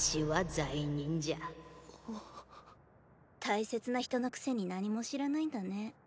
大切な人のくせに何も知らないんだね。